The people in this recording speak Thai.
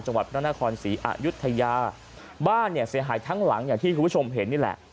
จังหวัดพระนครศรีอายุทยาบ้านเนี่ยเสียหายทั้งหลังอย่างที่คุณผู้ชมเห็นนี่แหละ